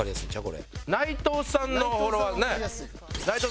これ。